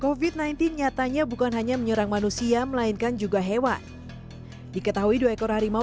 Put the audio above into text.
covid sembilan belas nyatanya bukan hanya menyerang manusia melainkan juga hewan diketahui dua ekor harimau